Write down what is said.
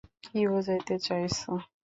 কি বোঝাতে চাইছ?